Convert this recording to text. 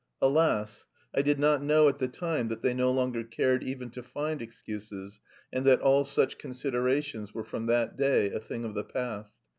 Alas! I did not know at the time that they no longer cared even to find excuses, and that all such considerations were from that day a thing of the past.